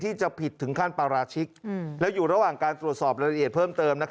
ที่จะผิดถึงขั้นปราชิกแล้วอยู่ระหว่างการตรวจสอบรายละเอียดเพิ่มเติม